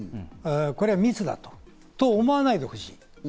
これはミスだと思わないでほしい。